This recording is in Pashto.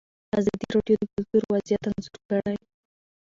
ازادي راډیو د کلتور وضعیت انځور کړی.